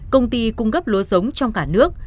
công ty cung cấp lúa giống trong cả nước